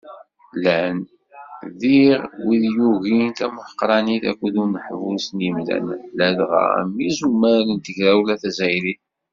Llan, diɣ, wid i yugin tamuḥeqqranit akked uneḥbus n yimdanen, ladɣa, am yizumal n tegrawla tazzayrit.